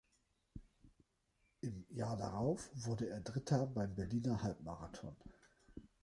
Im Jahr darauf wurde er Dritter beim Berliner Halbmarathon.